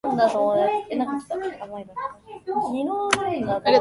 アクセスする必要がある